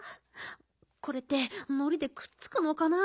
これってのりでくっつくのかな？